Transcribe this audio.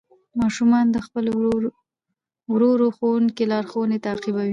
ماشومان د خپل ورو ورو ښوونکي لارښوونې تعقیبوي